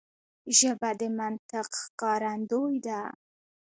ژبه د منطق ښکارندوی ده